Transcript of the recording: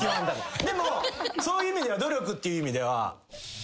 でもそういう意味では努力っていう意味では。